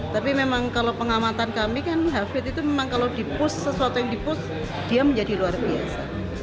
tapi memang kalau pengamatan kami kan hafid itu memang kalau dipus sesuatu yang dipus dia menjadi luar biasa